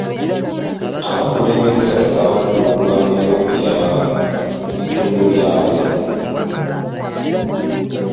Abakulembeze bassaawo pulogulaamu okuyamba ebitundu byabwe.